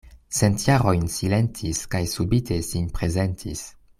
Cent jarojn silentis kaj subite sin prezentis.